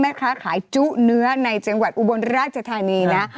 แม่ค้าขายจุเนื้อในจังหวัดอุบลราชธานีนะ